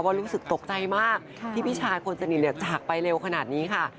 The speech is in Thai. รู้สึกตกใจมากที่พี่ชายคนสนิทจากไปเร็วขนาดนี้ค่ะ